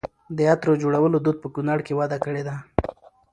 د عطرو جوړولو دود په کونړ کې وده کړې ده.